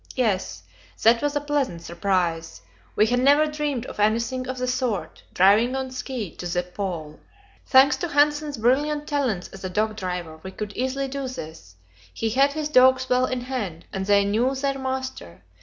Yes; that was a pleasant surprise. We had never dreamed of anything of the sort driving on ski to the Pole! Thanks to Hanssen's brilliant talents as a dog driver, we could easily do this. He had his dogs well in hand, and they knew their master.